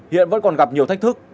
hiện vẫn còn gặp nhiều thách thức